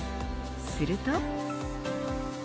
すると。